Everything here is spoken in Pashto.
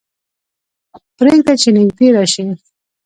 پرېږده چې نږدې راشي.